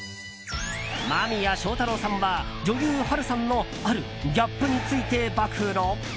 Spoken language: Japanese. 間宮祥太朗さんは女優・波瑠さんのあるギャップについて暴露。